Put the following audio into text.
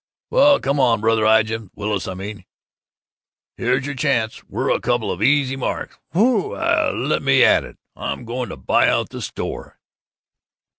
Well, come on, Brother Ijams Willis, I mean. Here's your chance! We're a couple of easy marks! Whee! Let me at it! I'm going to buy out the store!"